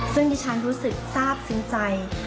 ซึ่งดิฉันรู้สึกทราบซึ้งใจ